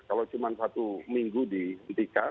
kalau cuma satu minggu dihentikan